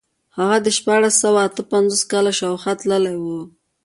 هغه د شپاړس سوه اته پنځوس کال شاوخوا تللی و.